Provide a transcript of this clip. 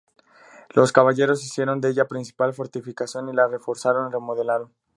Los Caballeros hicieron de ella su principal fortificación y la reforzaron y remodelaron.